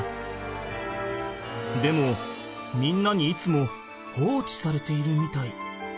でもみんなにいつも放置されているみたい。